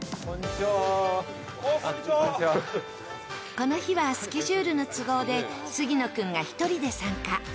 この日はスケジュールの都合で杉野君が１人で参加。